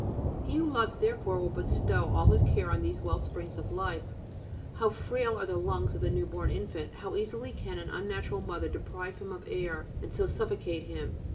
He who loves, therefore, will bestow all his care on these wellsprings of life; how frail are the lungs of a new born infant, how easily can an unnatural mother deprive him of air and so suffocate him!